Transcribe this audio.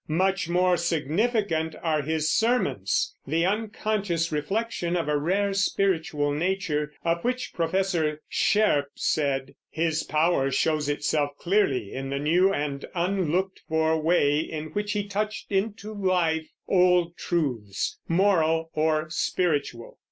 Much more significant are his sermons, the unconscious reflection of a rare spiritual nature, of which Professor Shairp said: "His power shows itself clearly in the new and unlooked for way in which he touched into life old truths, moral or spiritual....